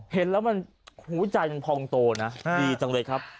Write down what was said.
เห็นแล้วมันหัวใจมันพองโตนะดีจังเลยครับ